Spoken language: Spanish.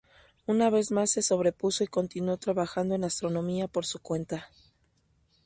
Una vez más se sobrepuso y continuó trabajando en astronomía por su cuenta.